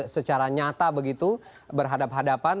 secara nyata begitu berhadapan hadapan